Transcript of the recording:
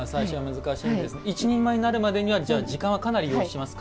一人前になるまでは時間はかなり要しますか？